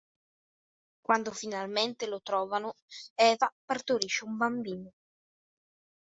Quando finalmente lo trovano, Eva partorisce un bambino.